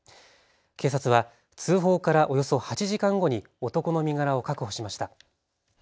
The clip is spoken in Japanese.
警察は通報からおよそ８時間後に男の身柄を確保しました。